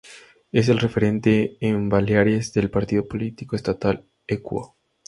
Es el referente en Baleares del partido político estatal Equo.